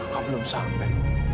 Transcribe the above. kok belum sampai